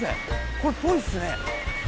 これぽいっすね。